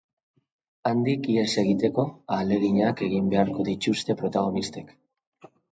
Handik ihes egiteko ahaleginak egin beharko dituzte protagonistek.